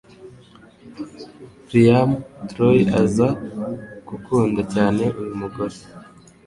Priam w'Troy aza gukunda cyane uyu mugore